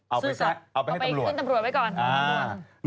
เอาไปดีเอาไปขึ้นตำรวจไว้ก่อน